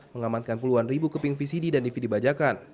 mengamankan puluhan ribu keping vcd dan dvd bajakan